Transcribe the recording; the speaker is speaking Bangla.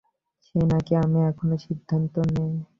সে নাকি আমি, এখনই সিদ্ধান্ত নে।